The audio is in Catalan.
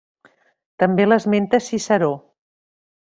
També l'esmenta Ciceró.